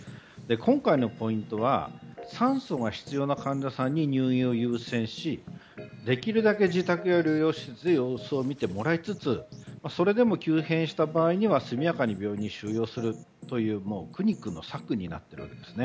今回のポイントは酸素が必要な患者さんに入院を優先しできるだけ自宅で療養して様子を見てもらいつつそれでも急変した場合には速やかに病院に収容するという苦肉の策になっているんですね。